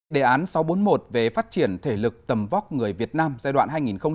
đề án sáu trăm bốn mươi một về phát triển thể lực tầm vóc người việt nam giai đoạn hai nghìn một mươi một hai nghìn ba mươi